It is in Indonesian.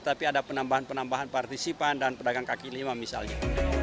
tapi ada penambahan penambahan partisipan dan pedagang kaki lima misalnya